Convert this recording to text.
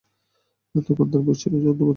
তখন তাঁর বয়স মাত্র চৌদ্দ বছর।